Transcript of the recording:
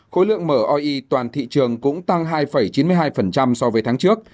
khối lượng mở oi toàn thị trường cũng tăng hai chín mươi hai so với tháng trước